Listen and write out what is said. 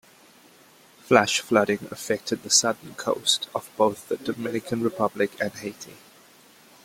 Flash flooding affected the southern coasts of both the Dominican Republic and Haiti.